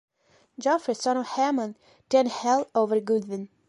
Geoffrey, son of Hamon, then held over Goodwin.